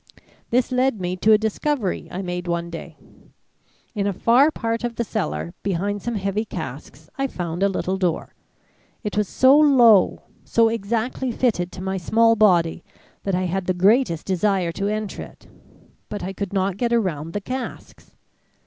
This led me to a discovery I made one day. In a far part of the cellar behind some heavy casks, I found a little door. It was so low so exactly fitted to my small body, that I had the greatest desire to enter it. But I could not get around the casks.